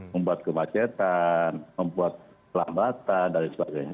membuat kemacetan membuat lambatan dan sebagainya